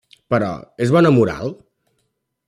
Però, és bona moral?